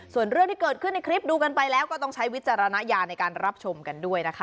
ส่วนเรื่องที่เกิดขึ้นในคลิปดูกันไปแล้วก็ต้องใช้วิจารณญาณในการรับชมกันด้วยนะคะ